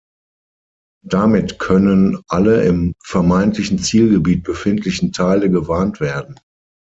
Damit können alle im vermeintlichen Zielgebiet befindlichen Teile gewarnt werden.